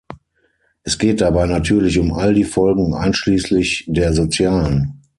Es geht dabei natürlich um all die Folgen, einschließlich der sozialen.